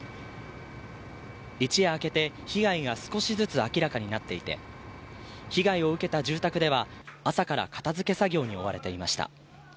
一夜明けて被害が少しずつ明らかになっていて被害を受けた住宅では、朝から片付け作業に追われていました。